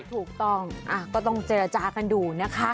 ถูกต้องก็ต้องเจรจากันดูนะคะ